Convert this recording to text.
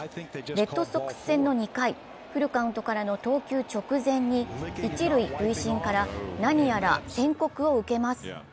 レッドソックス戦の２回、フルカウントからの投球直前に一塁塁審から何やら宣告を受けます。